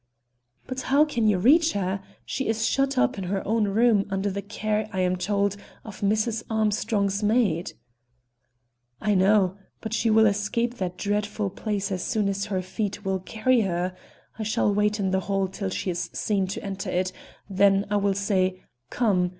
"But how can you reach her? She is shut up in her own room, under the care, I am told, of Mrs. Armstrong's maid." "I know, but she will escape that dreadful place as soon as her feet will carry her. I shall wait in the hall till she is seen to enter it, then I will say 'Come!'